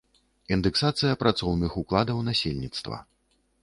Індэксацыя працоўных укладаў насельніцтва.